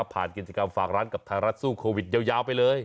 ผ่านกิจกรรมฝากร้านกับไทยรัฐสู้โควิดยาวไปเลย